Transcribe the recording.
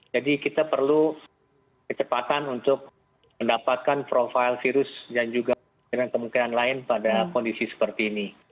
kita perlu kecepatan untuk mendapatkan profile virus dan juga dengan kemungkinan lain pada kondisi seperti ini